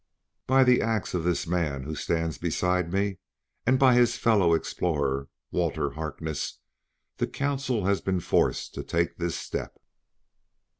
By the acts of this man who stands beside me, and by his fellow explorer, Walter Harkness, the Council has been forced to take this step.